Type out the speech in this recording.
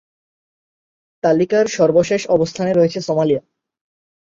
তালিকার সর্বশেষ অবস্থানে রয়েছে সোমালিয়া।